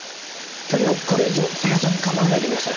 とにかくこれ以上翼に構わないでください。